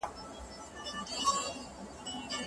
لارښود د شاګردانو وړتیاوې ارزولې وې.